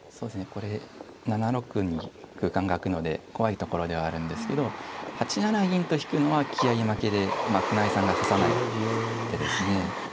これ７六に空間が空くので怖いところではあるんですけど８七銀と引くのは気合い負けで船江さんが指さない手ですね。